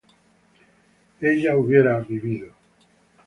ella hubiera vivido